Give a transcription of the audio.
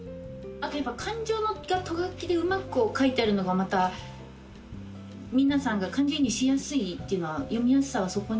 あとやっぱ感情がト書きでうまく書いてあるのがまた皆さんが感情移入しやすいっていうのは読みやすさはそこにもありますね。